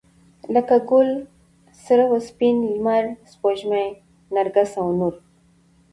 لکه ګل، سروه، سيند، لمر، سپوږمۍ، نرګس او نور